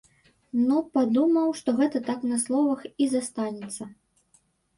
Ну, падумаў, што гэта так на словах і застанецца.